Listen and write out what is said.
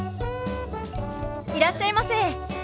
いらっしゃいませ。